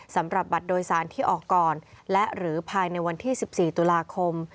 สำหรับบัตรโดยสารที่ออกก่อนและหรือภายในวันที่๑๔ตุลาคม